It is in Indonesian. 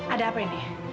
ada apa ini